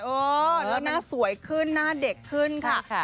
เออแล้วหน้าสวยขึ้นหน้าเด็กขึ้นค่ะ